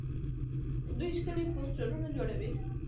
دوی ښکلي پوسټرونه جوړوي.